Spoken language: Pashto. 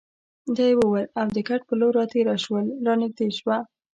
دا یې وویل او د کټ په لور راتېره شول، را نږدې شوه.